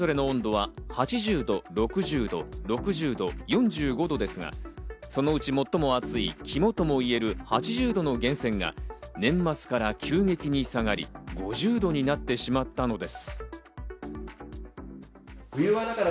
それぞれの温度は８０度、６０度、６０度、４５度ですが、そのうち最も熱い、肝ともいえる８０度の源泉が年末から急激に下がり、５０度になってしまったのです。